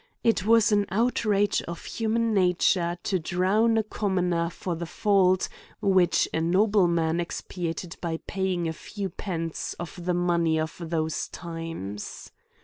It was an outrage on human nature to drown a commoner for the fault which a nobleman expiated by paying a few pence of the money of those times.